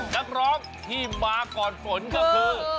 นักร้องที่มาก่อนฝนก็คือ